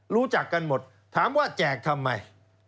รู้จักกันหมดถามว่าแจกทำไม